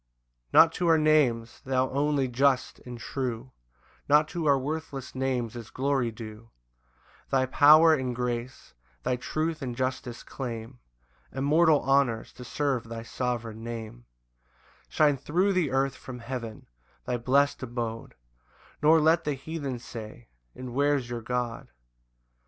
A psalm for the 5th of November. 1 Not to our names, thou only Just and True, Not to our worthless names is glory due; Thy power and grace, thy truth and justice claim Immortal honours to thy sovereign Name: Shine thro' the earth from heaven, thy blest abode, Nor let the heathens say, "And where's your God?"